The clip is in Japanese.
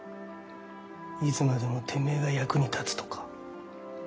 いつまでもてめえが役に立つとか。